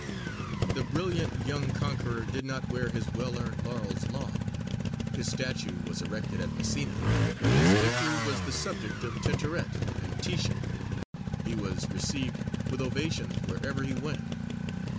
The brilliant young conqueror did not wear his well earned laurels long. His statue was erected at Messina; his victory was the subject of Tintoret and Titian; he was received with ovations wherever he went.